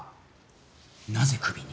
なぜクビに？